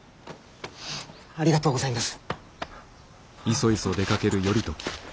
ありがとうございます！